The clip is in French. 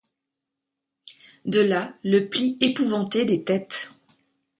De là le pli épouvanté des têtes.